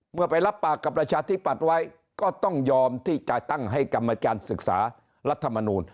ไปรับปากกับประชาธิปัตย์ไว้ก็ต้องยอมที่จะตั้งให้กรรมการศึกษารัฐมนูล